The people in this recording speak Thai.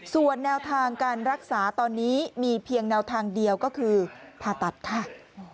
ส่วนแนวทางการรักษาตอนนี้มีเพียงแนวทางเดียวก็คือผ่าตัดค่ะ